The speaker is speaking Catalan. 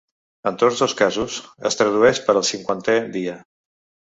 En tots dos casos, es tradueix per ‘el cinquantè dia’.